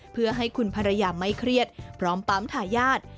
เพื่อให้คุณภรรยาไม่เครียดพร้อมปั๊มทายาท